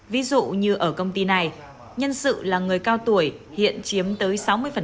ví dụ như ở công ty này nhân sự là người cao tuổi hiện chiếm tới sáu mươi